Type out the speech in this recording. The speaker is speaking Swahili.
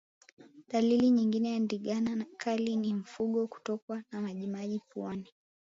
Dalili nyingine ya Ndigana Kali ni mfugo kutokwa na majimaji puani